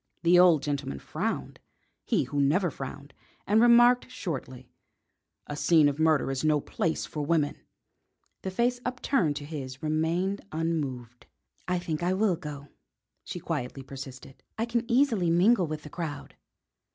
The old gentleman frowned he who never frowned and remarked shortly: "A scene of murder is no place for women." The face upturned to his remained unmoved. "I think I will go," she quietly persisted. "I can easily mingle with the crowd."